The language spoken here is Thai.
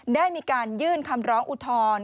ได้มีการยื่นคำร้องอุทธรณ์